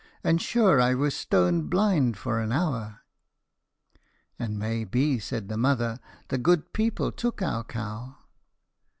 and sure I was stone blind for an hour.' "'And may be,' said the mother, 'the good people took our cow?'